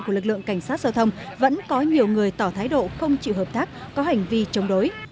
của lực lượng cảnh sát giao thông vẫn có nhiều người tỏ thái độ không chịu hợp tác có hành vi chống đối